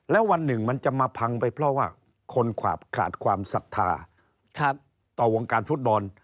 แล้ววันหนึ่งมันจะมาพังไปเพราะว่าคนขาดความศรัทธาต่อวงการฟุตบอล